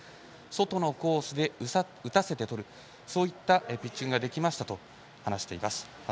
外のコースで打たせてとるそういったピッチングができましたと話しています。